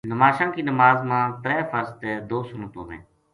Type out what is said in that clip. نماشاں کی نماز ما ترے فرض تے دو سنت ہوویں۔